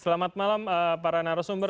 selamat malam para narasumber